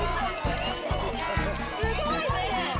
すごいね！